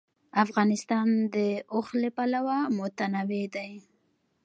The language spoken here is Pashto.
افغانستان د اوښ له پلوه متنوع دی.